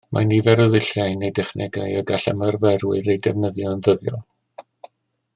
Mae nifer o ddulliau neu dechnegau y gall ymarferwyr eu defnyddio yn ddyddiol